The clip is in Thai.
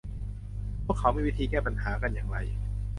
ว่าเขามีวิธีแก้ไขปัญหากันอย่างไร